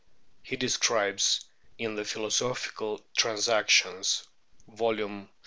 He describes in the Philosophical Transac tions (vol. xxxiii.